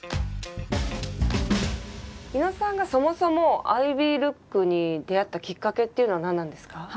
伊野さんがそもそもアイビールックに出会ったきっかけっていうのは何なんですか？